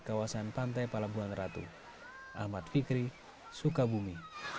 kawasan pantai palabuhan ratu ahmad fikri sukabumi